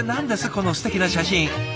このすてきな写真。